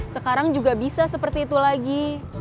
sekarang juga bisa seperti itu lagi